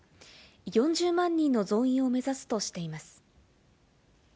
４０万人の増員を目指すとしています。